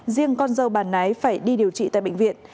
riêng con dâu bà nái phải đi điều trị tại bệnh viện